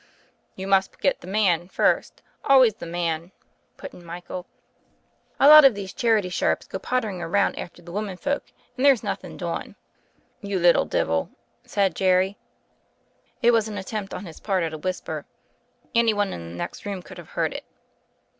"You must get the man first — always the man/' put in Michael. "A lot of these charity sharps go pottering around after the women folks, and there's nothing doin'." "You little divil," said Jerry. It was an at tempt on his part at a whisper. Any one in the next room could have heard it.